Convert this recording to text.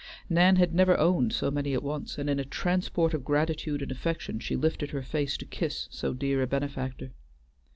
Nan had never owned so many at once, and in a transport of gratitude and affection she lifted her face to kiss so dear a benefactor.